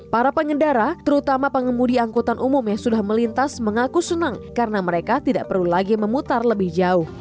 para pengendara terutama pengemudi angkutan umum yang sudah melintas mengaku senang karena mereka tidak perlu lagi memutar lebih jauh